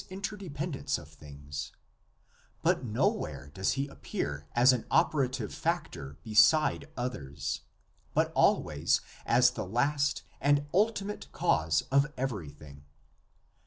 9 interdependence of things; but nowhere does he appear as an operative factor beside others, but always as the last and ultimate cause of everything.